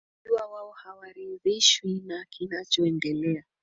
kujua wao hawaridhishwi na kinachoendelea